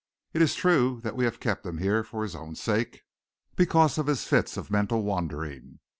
It is true that we have kept him here for his own sake, because of his fits of mental wandering.